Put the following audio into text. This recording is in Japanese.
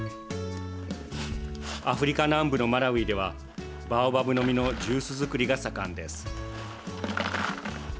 アフリカ南部のマラウイではバオバブの実のジュース作りが盛んです。